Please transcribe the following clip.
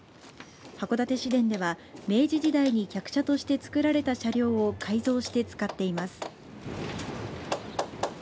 函館市電では明治時代に客車として造られた車両を改造して使っています。